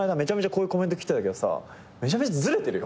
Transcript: こういうコメント来てたけどさめちゃめちゃずれてるよ？